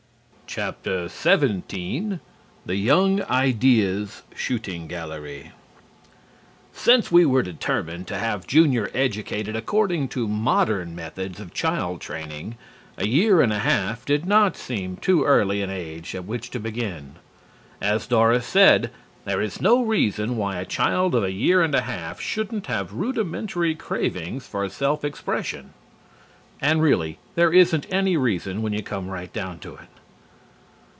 XVII THE YOUNG IDEA'S SHOOTING GALLERY Since we were determined to have Junior educated according to modern methods of child training, a year and a half did not seem too early an age at which to begin. As Doris said: "There is no reason why a child of a year and a half shouldn't have rudimentary cravings for self expression." And really, there isn't any reason, when you come right down to it.